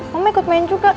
mama ikut main juga